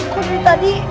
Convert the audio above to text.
kok dari tadi